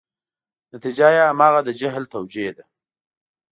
نتیجه یې همغه د جهل توجیه ده.